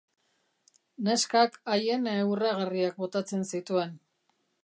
Neskak aiene urragarriak botatzen zituen.